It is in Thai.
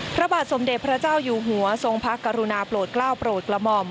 พระบาทสมเด็จพระเจ้าอยู่หัวทรงพระกรุณาโปรดกล้าวโปรดกระหม่อม